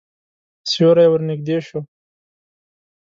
سیوری ورنږدې شو.